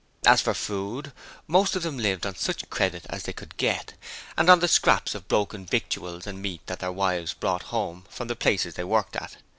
As for food, most of them lived on such credit as they could get, and on the scraps of broken victuals and meat that their wives brought home from the places they worked at.